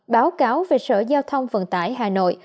báo cáo về sở giao thông vận tải hà nội